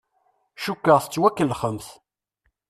Cukkeɣ tettwakellexemt.